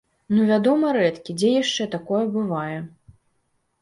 Ну вядома рэдкі, дзе яшчэ такое бывае.